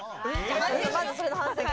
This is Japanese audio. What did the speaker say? まずそれの反省会。